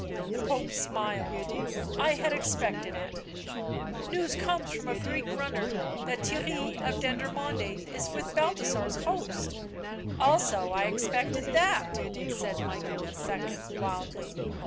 The Pope smiled. " I had expected it." " News comes from a Greek runner that Theirry of Dendermonde is with Balthasar's host "" Also I expected that," said Michael II. wildly.